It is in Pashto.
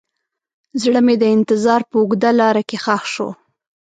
زړه مې د انتظار په اوږده لاره کې ښخ شو.